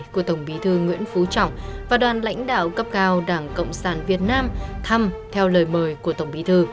của tổng bí thư nguyễn phú trọng và đoàn lãnh đạo cấp cao đảng cộng sản việt nam thăm theo lời mời của tổng bí thư